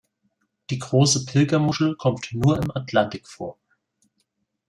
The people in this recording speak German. Die Große Pilgermuschel kommt nur im Atlantik vor.